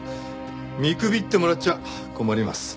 見くびってもらっちゃ困ります。